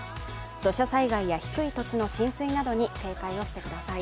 土砂災害や低い土地の浸水などに警戒をしてください。